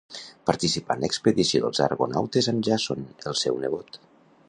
Participà en l'expedició dels argonautes amb Jàson, el seu nebot.